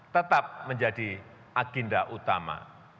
tetap menjadi agenda utama